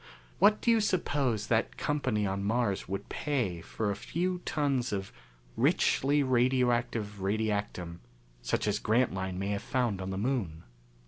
What do you suppose that company on Mars would pay for a few tons of richly radioactive radiactum such as Grantline may have found on the Moon?"